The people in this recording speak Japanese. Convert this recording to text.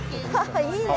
いいね。